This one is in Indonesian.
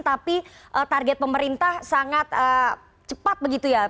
tapi target pemerintah sangat cepat begitu ya